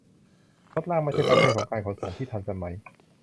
รถลากไม่ใช่ประเภทของการขนส่งที่ทันสมัย